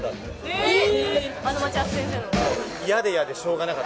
えっ！？